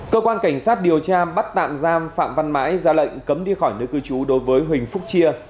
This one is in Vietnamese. cơ quan cảnh sát điều tra bắt tạm giam phạm văn mãi ra lệnh cấm đi khỏi nơi cư trú đối với huỳnh phúc chia